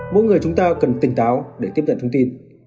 mỗi người chúng ta cần tỉnh táo để tiếp nhận thông tin